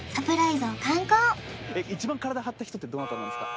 一番体張った人ってどなたなんですか？